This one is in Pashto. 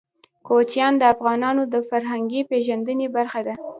کوچیان د افغانانو د فرهنګي پیژندنې برخه ده.